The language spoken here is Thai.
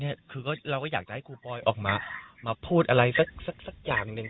เนี้ยคือก็เราก็อยากจะให้ครูปอยออกมามาพูดอะไรสักสักสักอย่างหนึ่ง